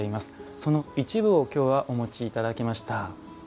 その一部をきょうはお持ちいただきました。